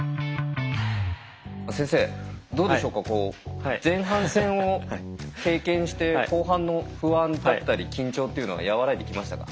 先生どうでしょうか前半戦を経験して後半の不安だったり緊張っていうのは和らいできましたか？